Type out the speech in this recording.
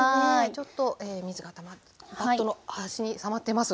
ちょっと水がたまってバットの端にたまってます。